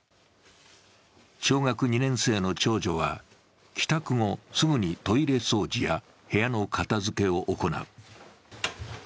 小学２年生の長女は、帰宅後すぐにトイレ掃除や部屋の片付けを行う。